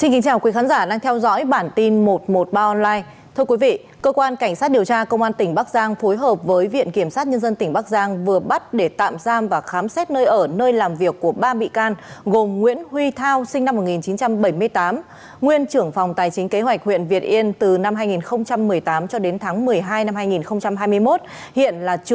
hãy đăng ký kênh để ủng hộ kênh của chúng mình nhé